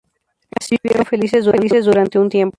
Así vivieron felices durante un tiempo.